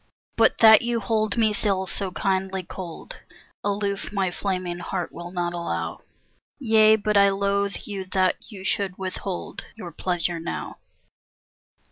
But that you hold me still so kindly cold Aloof my flaming heart will not allow; Yea, but I loathe you that you should withhold Your pleasure now.